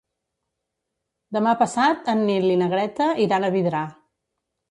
Demà passat en Nil i na Greta iran a Vidrà.